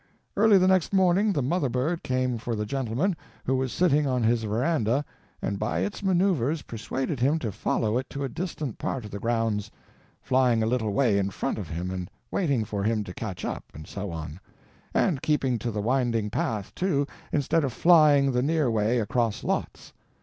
Early the next morning the mother bird came for the gentleman, who was sitting on his veranda, and by its maneuvers persuaded him to follow it to a distant part of the grounds—flying a little way in front of him and waiting for him to catch up, and so on; and keeping to the winding path, too, instead of flying the near way across lots.